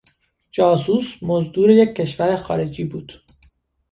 جاسوس مزدور یک کشور خارجی بود.